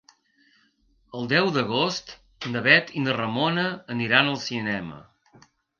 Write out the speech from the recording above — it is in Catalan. El deu d'agost na Bet i na Ramona aniran al cinema.